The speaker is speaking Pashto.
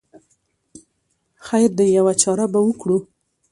خیر دی یوه چاره به وکړو.